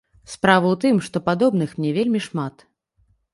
Справа ў тым, што падобных мне вельмі шмат.